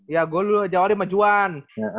ya gue dulu rajawali sama juhan